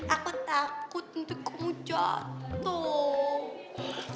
aku takut nanti kamu jatuh